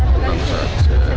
tidak bisa saja